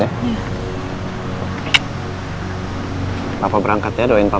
jangan biarkan hal buruk apapun terjadi sama mereka